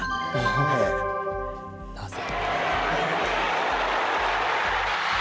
なぜ。